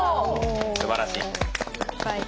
すばらしい。